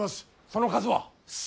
その数は。